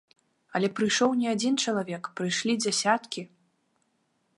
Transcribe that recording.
Але прыйшоў не адзін чалавек, прыйшлі дзясяткі.